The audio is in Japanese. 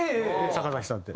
坂崎さんって。